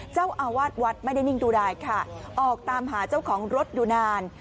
เจ้าอาวาสวัดไม่ได้นิ่งดูดายค่ะออกตามหาเจ้าของรถอยู่นาน